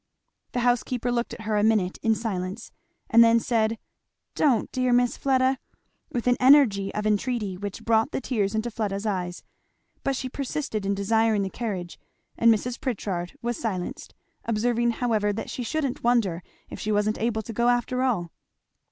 The housekeeper looked at her a minute in silence, and then said, "Don't, dear Miss Fleda!" with an energy of entreaty which brought the tears into Fleda's eyes. But she persisted in desiring the carriage; and Mrs. Pritchard was silenced, observing however that she shouldn't wonder if she wasn't able to go after all.